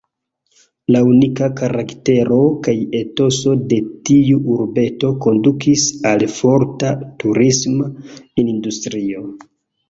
La unika karaktero kaj etoso de tiu urbeto kondukis al forta turisma industrio.